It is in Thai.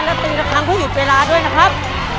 และเปลี่ยนตัวทางพวกหิวเวลาด้วยนะครับ